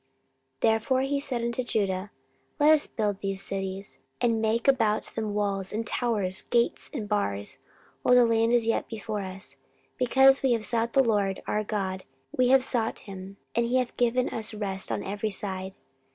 14:014:007 Therefore he said unto Judah, Let us build these cities, and make about them walls, and towers, gates, and bars, while the land is yet before us; because we have sought the LORD our God, we have sought him, and he hath given us rest on every side.